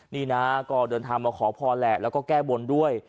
นี่นะก็เดินทางมาขอพรแหละแล้วก็แก้บนด้วย